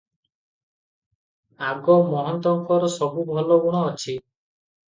ଆଗ ମହନ୍ତଙ୍କର ସବୁ ଭଲ ଗୁଣ ଅଛି ।